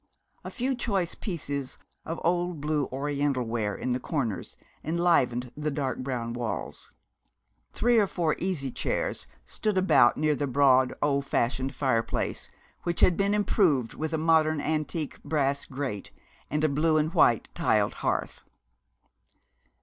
A few choice pieces of old blue Oriental ware in the corners enlivened the dark brown walls. Three or four easy chairs stood about near the broad, old fashioned fireplace, which had been improved with a modern antique brass grate and a blue and white tiled hearth.